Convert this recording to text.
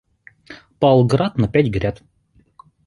Пал град на пять гряд.